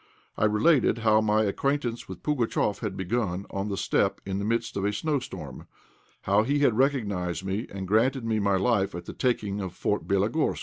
I related how my acquaintance with Pugatchéf had begun, on the steppe, in the midst of a snowstorm; how he had recognized me and granted me my life at the taking of Fort Bélogorsk.